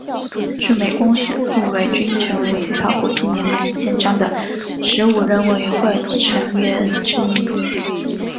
驻美公使顾维钧成为起草国际联盟宪章的十五人委员会成员之一。